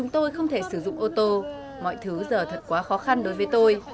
tôi không thể sử dụng ô tô mọi thứ giờ thật quá khó khăn đối với tôi